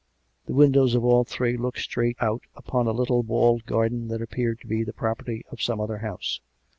The windows of all three looked straight out upon a little walled garden that appeared to be the property of some other house.